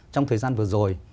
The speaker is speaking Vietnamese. trong thời gian vừa rồi